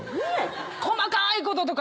細かいこととか。